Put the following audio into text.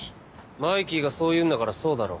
マイキーがそう言うんだからそうだろ。